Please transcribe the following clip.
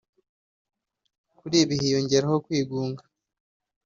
Kuri ibi hiyongeraho kwigunga